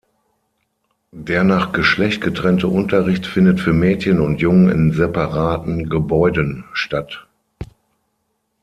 Der nach Geschlecht getrennte Unterricht findet für Mädchen und Jungen in separaten Gebäuden statt.